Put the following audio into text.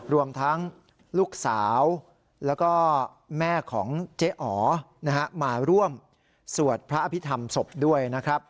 รวมทั้งลูกสาวแล้วก็แม่ของเจ๊อ๋อมาร่วมสวดพระอภิษฐรรมศพด้วยนะครับ